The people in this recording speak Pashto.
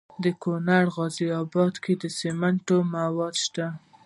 د کونړ په غازي اباد کې د سمنټو مواد شته.